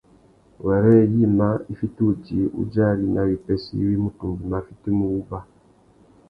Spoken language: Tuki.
Wêrê yïmá i fiti udjï udjari nà wipêssê iwí mutu nguimá a fitimú wuba.